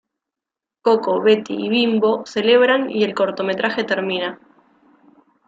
Koko, Betty y Bimbo celebran y el cortometraje termina.